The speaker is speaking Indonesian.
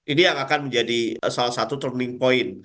ini yang akan menjadi salah satu turning point